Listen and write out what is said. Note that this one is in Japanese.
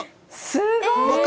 すごーい！